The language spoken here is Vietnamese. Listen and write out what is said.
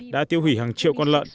đã tiêu hủy hàng triệu con lợn